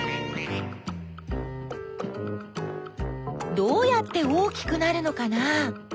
どうやって大きくなるのかな？